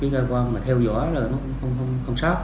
cái cơ quan mà theo dõi là nó không sắp